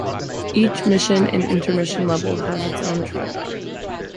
Each mission and intermission level has its own track.